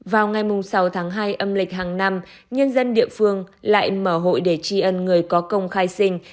vào ngày sáu tháng hai âm lịch hàng năm nhân dân địa phương lại mở hội để tri ân người có công khai sinh